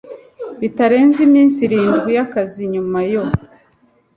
Bitarenze iminsi irindwi y akazi nyuma yo